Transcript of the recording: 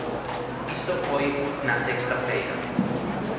Isto foi na sexta feira.